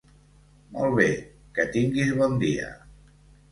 Molt bé, que tinguis bon dia!